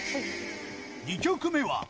２曲目は？